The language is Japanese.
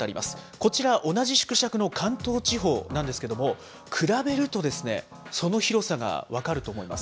こちら、同じ縮尺の関東地方なんですけども、比べるとその広さが分かると思います。